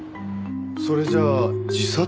それじゃあ自殺？